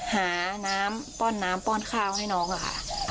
หาน้ำป้อนน้ำป้อนข้าวให้น้องค่ะ